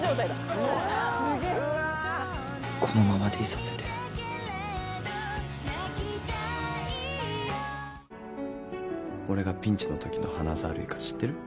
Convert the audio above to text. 「このままでいさせて」「俺がピンチのときの花沢類か知ってる？」